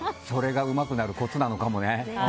それがうまくなるコツなのかもね。